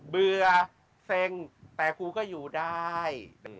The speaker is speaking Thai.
เบื่อเซ็งแต่ครูก็อยู่ได้